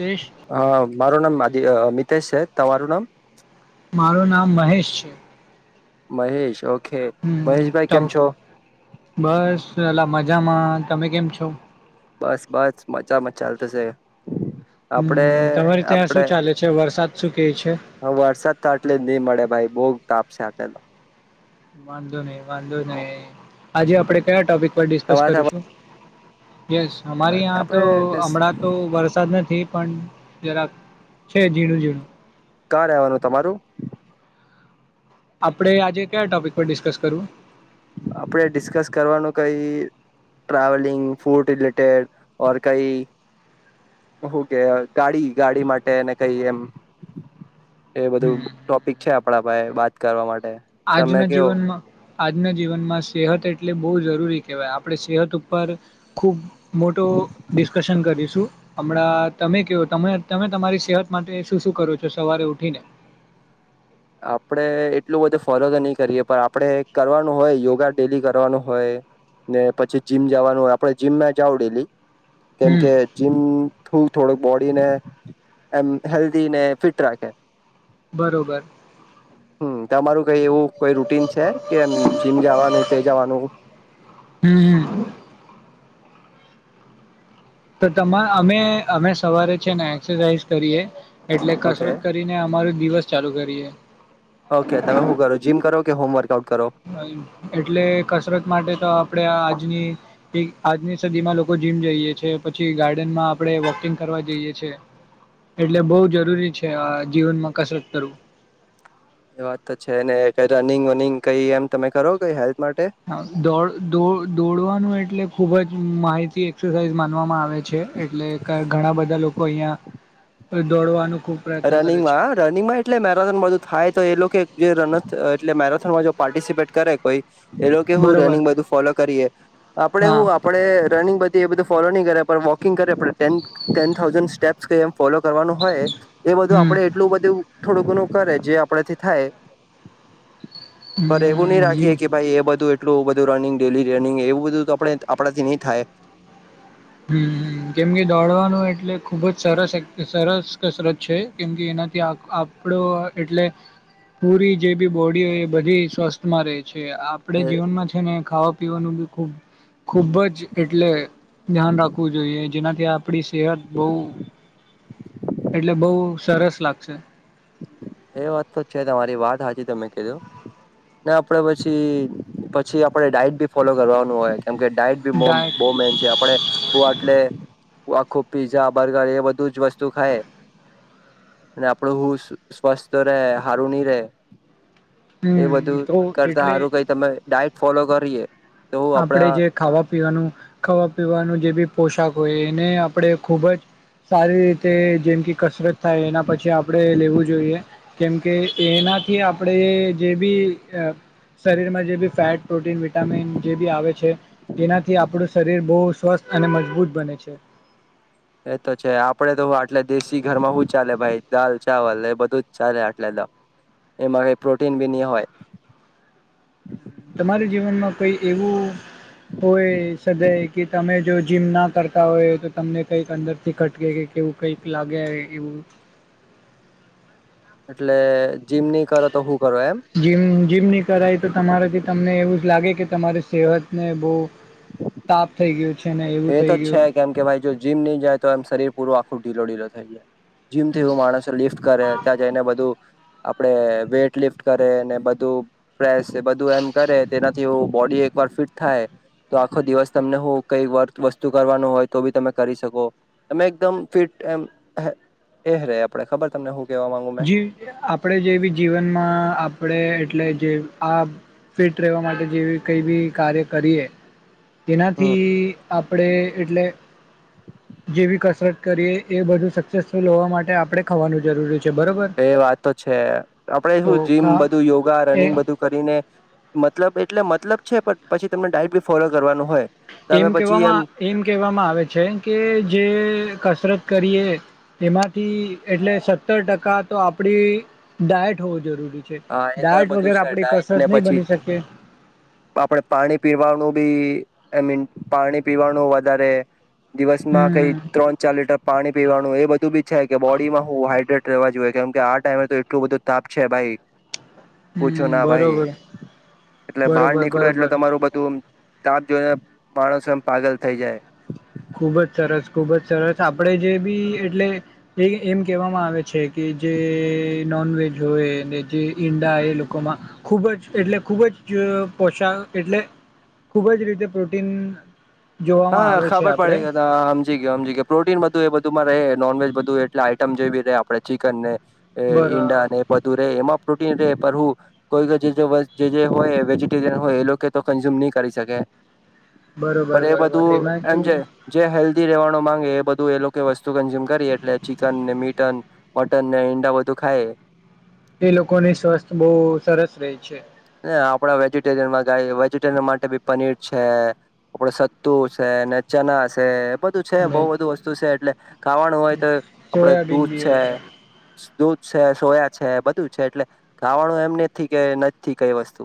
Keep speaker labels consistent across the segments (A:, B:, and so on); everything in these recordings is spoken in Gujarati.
A: દેશ
B: હા મારું નામ મિત તેશે તવઋણં
A: મારું નામ મહેશ છે
B: મહેેશ ઓકે મહેશભાઈ
A: હમ
B: કેમ છો
A: બસ અલા મજા મજામાં તમે કેમ છો
B: બસ બસ મજા મજ ચાલતશે આપડે
A: હમ તમારે ત્યાં શું
B: આપડે
A: ચાલે છે વરસાદ શું કે છે
B: હ વરસાદ થ એટલે જ નહી મળે ભાઈ બોગ તપ સા આટલો
A: વાંધો નહીિ વાંધો નઈિ આજે આપડે કયા ટોપિક ઉપ ડિસ્કસ
B: તમારે ત્યાં
A: કરીશું યસ
B: વ
A: અમારી યાં તો
B: આપડે ડિસ
A: હમણાં તો વરસાદ નથી પણ જરાક છે ઝીણું ઝીણું
B: કા રવાનું તમારું
A: આપડે આજે કયા ટોપિક પર ડિસ્કસ કરવું
B: આપણે ડિસ્કસ કરવાનું કઈ ટ્રાવેલિંગ ફૂડ રિલેટેડ ઓર કઈ શું કે ગાડી ગાડી માટે અને કઈ એમ એ બધું ટોપિક છે આપણા પાસે કરવા માટે તમે
A: આજના
B: કેવો
A: જીવનમાં આજના જીવનમાં સેહત એટલે બહુ જરૂરી કહેવાય આપણે સેહત ઉપર ખૂબ મોટો ડિસ્કશન કરીશું હમણાં તમે કેવોમે તમે તમારી સેહત માટે શું શું કરો છો સવારે ઉઠીને
B: આપડે એટલું બધું ફોલો તો નહી કરીએ પણ આપડે કરવાનું હોય યોગા ડેલી કરવાનું હોય ને પછી જીમ જવાનું હોય આપડ જીમમાં જાાવ ડેલી કેમ
A: હમ
B: કે જીમ થું થોડક બોડીને એમ હેલ્ધને ફિટ રાખે
A: બરોબર
B: એવુંઈ રૂટીન છે કે જીમ જવાનું તે જવાનું
A: હમ હમ. તો તમા અમે અમે સવારે છે ને એક્સરસાાઈઝ કરીએ એટલે
B: ઓકે
A: કસરત કરીને અમારું દિવસ ચાલુ કરીએ
B: ઓકે તમે શું કરો જીમ કરો હમ વર્કઉ
A: એટલે કસરત માટે તો આપડે આજની સદીમાં લોકો જીમ જઈએ છે પછી ગાર્ડનમાં આપણે વોકિંગ કરવા જઈએ છેએ એટલે બહ જરૂરી છે આ જીવનમાં કસરત કરવું
B: એ વાત તો છે ને કઈ રનિંગ વનિંગ કઈ એમ તમે કરો કઈ હેલ્થ માટે
A: હાોડ દોડવાનું એટલે ખુબ જ માહિતી એક્સરસાઇઝ આવે છે એટલે ઘણા બધા લોકો કો અહયા દોડવાનું
B: રનિંગમાં રનિંગમાં એટલે મેરાથોન બધું થાય તો એ લોકો જે રન એટલે મેરાથોનમાં જો પાર્ટિસિપેટ કરે કોઈ એ લોકો કે હું
A: બરોબર
B: રનિંગ બધું ફોલો કરીએ આપડે
A: હા
B: હું આપડે રનિંગ બધી એ બધું ફોલો નહીં કરે પણ વોકિંગ કરે પણ ટેન થાઉઝન્ડ સ્ટેપ્સ કઈ એમ ફોલો કરવાનું હોય એ બધું
A: હમ
B: આપડે એટલું બધું થોડું ઘણું કરે જે આપડથી થાય પણ એવું નહી
A: હમ હમ
B: રાખીએ કે ભાઈ એ બધું એટલું બધું રનિંગ ડેલી રનિંગ એવું બધું તો આપણે આપણાથી નહી થાય
A: હમ કેમકે દોડવાનું એટલે ખુબ જ સરસ સરસ કસરત છે કેમ કે એનાથી આપડો એટલે પૂરી જે બી બોડી હોય એ બધી સ્વસ્થમાં રહે છે આપણેે જીવનમાં છે ને ખાવા પીવાનું બી ખૂબ ખુબ જ એટલે ધ્યાન રાખવું જોઈએ જેનાથી આપડી સેહત બહ એટલે બહુ સરસ લાગશે
B: એ વાત તો છે તમારી વાત હાજી તમે કધું ને આપડે પછી પછી આપડે ડાઈટ ભી ફોલો કરવાનું હોય કેમ કે ડાયટ બી
A: ડાયટ
B: બહુ મેન છે આપણેું આટલે આખું પીઝા બર્ગર એ બધું જ વસ્તુ ખાય અને આપડું હું સ્વાસ્થ ર હારુણી રે એ
A: હમ
B: બધું
A: તો
B: કરતા
A: એટલે
B: સારું કઈ તમે ડાયટ ફોલો કરો ફરીએ
A: આપણેે જે ખાવા પીવાનું ખાવા પીવાનું જે બી પોશાક હોય એને આપણે ખૂબજ સારી રીતે જેમ કે કસરત થાય એના પછી આપણે લેવું જોઈએ કેમકે એનાથી આપણે જે બી અ શરીરમાં જે બી ફેટ પ્રોટીન વીટ ટામીન જે બી આવે છે. તેનાથી આપણું શરીર બહુ સ્વસ્થ અને મજબૂત બને છે.
B: એ તો છે આપડે તો આટલે દેશી ઘરમાં શું ચાલે ભાઈ દાલ ચાવલ એ બધું ચાલે આટલે ત એમાંથી પ્રોટીન બી ની હોય
A: કઈ એવું હોય સદાઈ કે તમે જો જીમ ના કરતા હોય તો તમને કઈક અંદરથી ખટકે કે કેવું કઈક લાગે એ એવું
B: એટલે જીમ નહી કરો તો શું કરો એમ
A: જીમ જીમ ની કરાય તો તમારેથી તમને એવું જ લાગે કે તમારી સેહતને બહુ તાપ થઈ ગયો છે. ને એવું
B: એ તો
A: થઈ
B: છે
A: ગયું
B: કેમ કે ભાઈ જો જીમ ની જાય તો એમ શરીર પૂરું આખો ઢીલો ઢીલો થઈ જાય જીમથી એવું માણસ લિફ્ટ કરે ત્યાં જઈને બધું આપડે વેટ લિફ્ટ કરે ને બધું પ્રેસ એ બધું એમ કરે તેના જીવો બોડી એક વાર ફિટ થાય તો આખો દિવસ તમને હું કઈ વર્થ વસ્તુ કરવાનું હોય તો બી તમે કરી શકો તમે એકદમ ફિટ એમ એહે એહ રે આપડે ખબર તમને હુ
A: જી આપણેે જેવી જીવનમાં આપણે એટલે જે આ ફિટ રહેવા માટે જેવી કઈ બી કાર્ય કરીએ
B: હમ
A: તેનાથી આપણે એટલે જેવી કસરત કરીએ એ બધું સક્સેસ ફુલ હોવા માટે આપણે ખાવાનું જરૂરી છે. બરોબર
B: એ વાત તો છે આપડે શું
A: તો
B: જીમ
A: ખા
B: બધું યોગા
A: એ
B: રનિંગ બધું કરીને મતલબ એટલે મતલબ છે પણ પછી તમને ડાયટ બી ફોલો કરવાનું હોય તમે
A: એમ
B: પછી
A: કેવામાં એમ કેહેવામાં આવે છે કે જે કસરત કરીએ તેમાંથી એટલે સત્તર ટકા તો આપડી ડાયટ હોવો જરૂરી છે
B: હા એ તોય
A: ડાયટ
B: બધું
A: વગર
B: છે
A: આપડી
B: ડાયટ
A: કસરત
B: ને
A: નહી
B: પછી
A: બની શકે
B: આપડે પાણી પીવાનું બી એમીન પાણી પીવાનું વધારે દિવસમાં કઈ
A: હમ
B: ત્રણ ચાર લીટર પાણી પીવાનું નુ એ બધું બી છે કે બોડીમાં હું હાઈડ્રેટ રહેવા જોઈએ કેમ કે આ ટાઈમે તો એટલું બધું તાપ છે ભાઈ પૂછો ના
A: હમ
B: ભાઈ
A: બરોબર
B: એટલે બહાર
A: બરોબર
B: નીકળો એટલે
A: બરોબર
B: તમારું બધું તાપ જોઈને માણસો એમ પાગલ થઈ જાય.
A: ખૂબ જ સરસ ખૂબ જ સરસ આપણે જે બી એટલે એ એમ કહેવામાં આવે છે કે જે નોનવેજ હોય ને જે ઈંડા એ લોકોમાં ખૂબ જ એટલે ખૂબ જ પોશાક એટલે ખૂબ જ રીતે પ્રોટીન જોવામાં આવે છે
B: ખબર
A: આપ
B: પણ એ કહેતા હા સમજી ગયો સમજી ગયો પ્રોટીન બધું એ બધું તમારે બધું એ નોનવેજ બધું એટલે આઈટમ જેવી દે આપણે ચિકન ને એ
A: બરો
B: ઈંડા ને બધું રે એમાં પ્રોટીન રહે પણ હું કોઈ કોઈ જે જે હોય જે જે વેજિટેબલ હોય વેજીટેરિયન હોય એ લોકો તો કન્ઝ્યુમ નહી કરી શકે
A: બરોબર બરોબર એમાં
B: મ
A: જ
B: એમજે હેલ્દી રે તમારો માંગે એ બધું એ લોકો વસ્તુ કન્ઝ્યુમ કરી એટલે ચિકન ને મીટન મટન ને ઈંડા બધું ખાય
A: એ લોકોને સ્વસ્થ બહુ સરસ રહે છે
B: આપડા વેજીટેરિયનમાં ગાય વેજીટેરયન માટે ભી પનીર છે આપણે સ તું સે ને ચના સે બધું છે
A: ને
B: બહુ બધુ વસ્તુ છે એટલે ખાવાનું હોય તો આપડે
A: સોયાબીન
B: દૂધ
A: બી
B: છે
A: હોય
B: દૂધ છે સોયા છે બધું છે એટલે ખાવાનું એમ નથી કે નથી કઈ વસ્તુ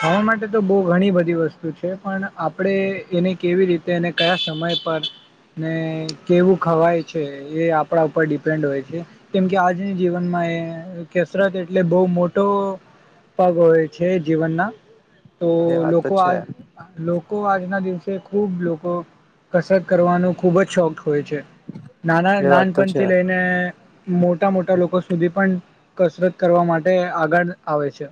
A: ખાવા માટે તો બહુ ઘણી બધી વસ્તુ છે પણ આપણે એને કેવી રીતે અને કયા સમય પર ને કેવું ખવાય છે એ આપણા ઉપર ડિપેન્ડ હોય છે કેમ કે આજની જીવનમાં એ કસરત એટલે બહુ મોટો પગ હોય છે જીવન ના તો
B: એ વાત
A: લોકો
B: તો
A: આજ
B: છે
A: લોકો આજના દિવસે તે ખૂબ લોકો કસરત કરવાનો ખૂબ જ શોખ હોય છે નાના
B: એ વાત તો છે
A: નાનપણથી લઈને મોટા મોટા લોકો સુધી પણ કસરત કરવા માટે આગળ આવે છે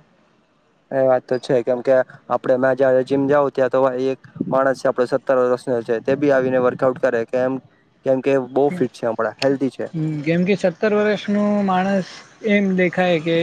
B: એ વાત તો છે કેમ કે આપડે ના જ જીમ જાવ ત્યાં તો એક માણસ છે આપડો સત્તર વર્ષ છે તે બી આવીને વર્કઆઉટ કરે કે કેમ કે બહુ ફિટ છે હમણાં હેલ્ધી છે
A: કેમ કે સત્તર વર્ષ નું માણસ એમ દેખાય કે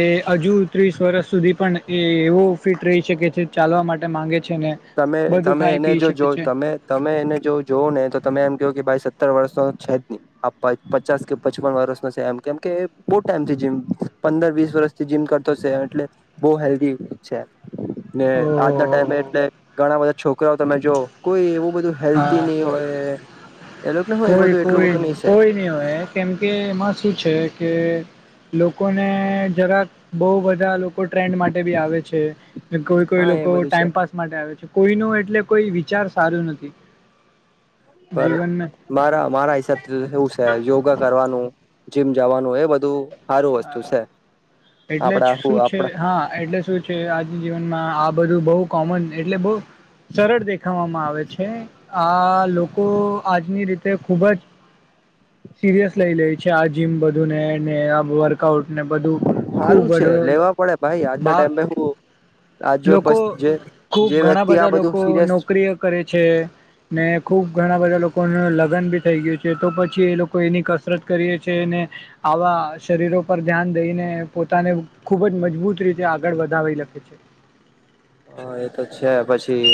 A: એ હજુ ત્રીસ વર્ષ સુધી પણ એ એવો ફિટ રહી શકે છે ચાલવા માટે માગે છે ને
B: તમે
A: બધું
B: તમે
A: ખાઈ
B: એને
A: પી
B: જો જો
A: શકે છે
B: તમે તમે એને જો જોવ ને તો તમે એમ કયો કે ભાઈ સત્તર વર્ષનો છે જ નહી આ પચાસ કે પચપન વર્ષનો છે એમ કેમ કે બહુ ટાઈમ થી જીમ પંદર વીસ વર્ષથી જીમ કરતો છે એટલે બહુ હેલ્ધી છે ને આજના ટાઈમે
A: ઓહ
B: એટલે આજના બધા છોકરા તમે જો કોઈ એવું બધું હેલ્ધી
A: હા
B: નહી હોય એ લોકોને હોય એ
A: કોઈ
B: બધું એટલું
A: કોઈ
B: બધું છે
A: કોઈ નહી હોવે કેમકે એમાં શું છે કે લોકો લોકોને જરાક બહુ બધા લોકો લોકો ટ્રેન્ડ માટે બી આવે છે કોઈ કોઈ
B: હા એ
A: લોકો
B: બધું છે
A: ટાઈમપાસ માટે આવે છે કોઈ નો એટલે કોઈ વિચાર સારું નથી
B: પર
A: જીવનને
B: મારા મારા હિસાબથી એવું છે યોગા કરવાનું જીમ જવાનું એ બધું સારું વસ્તુ
A: હા
B: છે
A: એટલે
B: આપડા
A: શું
B: આપડા
A: છે હા એટલે શું છે આજ જીવન માં આ બધું બહુ કોમન એટલે બહ સરળ દેખાવામાં આવે છે આ લોકો આજની રીતે તે ખુબ જ સિરિયસ લઈ લે છે આ જીમ બધું ને ને આ વર્કઆઉટ ને બધું ખૂબ
B: સારું છે લેવા પડે ભાઈ આજના ટાઈમે હું આજ જો
A: લોકો
B: જે
A: ખુબ
B: જે
A: ઘણા
B: વ્યક્તિ આ
A: બધા
B: બધું
A: લોકો
B: સિરિયસ
A: નોકરીઓ કરે છે ને ખુબ ઘણા બધા લોકો લોકોનું લગ્ન બી થઈ ગયું છે તો પછી એ લોકો એની કસરત કરીએ છે અનેને આવા શરીરો પર ધ્યાન દઈને પોતાને ખૂબ જ મજબૂત રીતે આગળ વધાવી લખે છે
B: હા એતો છે પછી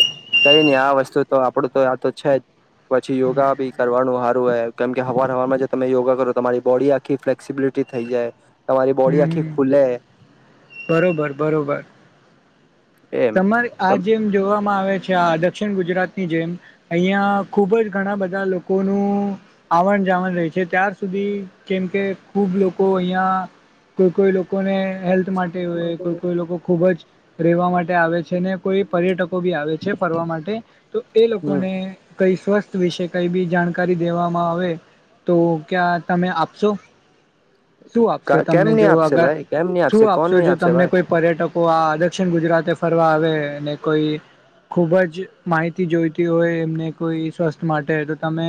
B: કઈ નહી આ વસ્તુ તો આપડું તો આ તો છે જ પછી યોગા ભી કરવાનું સારું હો કેમ કે હવાર હવારમાં તમે યોગા કરો તમારી બોડી આખી ફ્લેક્સિબિલિટી થઇ જાય તમારી બોડી આખી
A: હમ
B: ખુલે
A: બરોબર બરોબર
B: એમ
A: તમારે આ જેમ જોવામાં આવે છે. છે દક્ષિણ ગુજરાતની જેમ અહીયાં ખૂબ જ ઘણા બધા લોકોનું આવણ જાવણ રહે છે ત્યાર સુધી જેમ કે ખૂબ લોકો અહીિયાં કોઈ કોઈ લોકોને હેલ્થ માટે
B: હમ
A: કોઈ લોકો ખૂબ જ રહેવા માટે આવે છે ને કોઈ પર્યટકો બી આવે છે ફરવા માટે તો એ લોકોને કઈ સ્વસ્થ વિશે કઈ બી જાણકારી દેવામાં આવે તો ક્યાં તમે આપશો. શું આપશો
B: કેમ
A: તમને
B: નહી
A: જો
B: આપશે
A: અગર
B: ભાઈ કેમ નહી
A: શું
B: આપશે કોણ
A: આપશો
B: નહી
A: જો
B: આપશે
A: તમને
B: ભાઈ
A: કોઈ પર્યટકો આ દક્ષિણ ગુજરાત એફ ફરવા આવે અને કોઈ ખૂબ જ માહિતી જોઈતી હોય એમને કોઈ સ્વસ્થ માટે તો તમે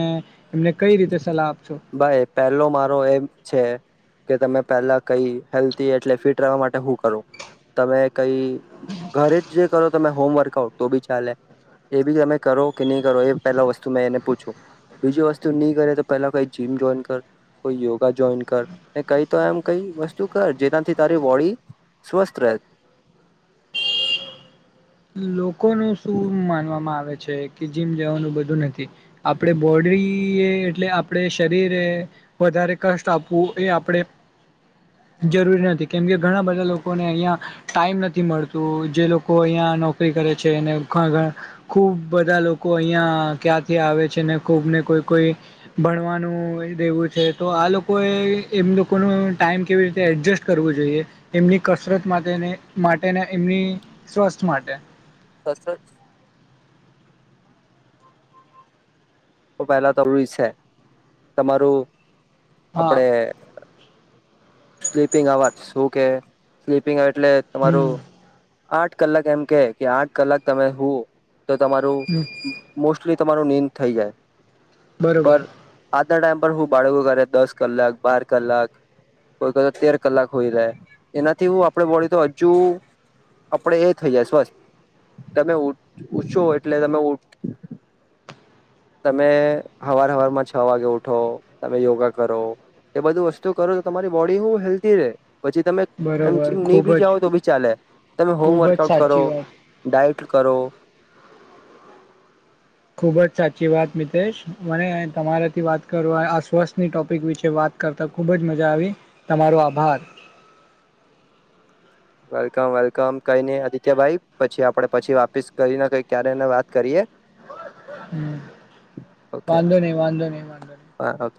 A: એમને કઈ રીતે સલાહ આપશો
B: ભાઈ પેલો મારો એમ છે કે તમે પેલા કઈ હેલ્ એટલે ફિટ રવા માટે હું કરું તમે કઈ ઘરે જ જે કર તમે હોમવર્ક આઉટ તો બી ચાલે એ બી તમે કરો કે નહી કરો એ પેલા વસ્તુ મેં એને પૂછું બીજી વસ્તુ નહી કરે તો પહેલા કઈ જીમ જોઈન કર કોઈ યોગા જોઈન કર કઈ તો એમ કઈ વસ્તુ કર જેનાથી તારી બોડી સ્વસ્થ રહે.
A: લોકોનું શું માનવામાં આવે છે કે જીમ જવાનું બધું નથી. આપડે બોર્ડરી એટલે આપણે શરીરે વધારે કષ્ટ આપવું એ આપ જરૂરી નથી કેમકે ઘણા બધા લોકોને અહિયાં ટાઈમ નથી મળત જે લોકો અહિયાં નોકરી કરે છે ઘ ઘ ખૂબ બધા લોકો અહીંયા ક્યાંથી આવે છે ને ખૂબને કોઈ કોઈ ભણવાનું દેવું છે તો આ લોકોએ એમ લોકોનું ટાઈમ કેવી રીતે એડજસ્ટ કરવું જોઈએ એમની કસરત માટે માટેને એમની સ્વસ્થ માટે
B: સાચ પહેલા તરૂરી છે તમારું
A: હા
B: આપણેે સ્લીપિંગ અવર્સ શું કે સ્લીપિંગ અવર એટલે તમારું
A: હમ
B: આઠ કલાક એમ કે કે આઠ કલાક તમે હું તો તમારું
A: હમ
B: મોસ્ટ તમારો નિંદ થઈ જાય.
A: બરોબર.
B: આના ટાઈમ પર હું બાળકો કરે દસ કલાક બાર કલાક કોઈ ક તેર કલાક હોય જાય એનાથી હું આપણે બોડી તો હજુ આપણે એ થઈ જાયસ તમે ઉછો એટલે તમે ઉ તમે અવાર હવારમાં છ વાગે ઉઠો તમે યોગા કરો એ બધું વસ્તુ કરો તો તમારી બોડી હું હેલ્ધી રહેે. પછી તમે એમ
A: બરોબર
B: જીમ નહી
A: ખૂબ
B: બી
A: જ
B: જાઓ તો બી ચાલે તમે
A: ખૂબ જ
B: હોમવર્કઆઉટ કરો
A: સાચી વાત
B: ડાયટ કરો.
A: ખૂબ જ સાચી વાત મિતેશ મને તમારાથી વાત કરવા આ સ્વસ્થની ટોપિક વિશે વાત કરતા ખૂબ જ મજા આવી તમારો આભાર.
B: વેલકમ વેલકમ કઈ નઈ આદિત્યભાઈ પછી આપડે પછી વાપીસ કરીને કઈ ક્યારેને વાત કરીએ.
A: હમ
B: ઓકે
A: વાંધો નહી વાંધો નહી વાંધો નહી.
B: હા ઓકે